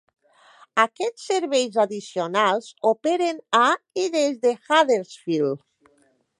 Aquests serveis addicionals operen a i des de Huddersfield.